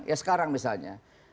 ya sekarang misalnya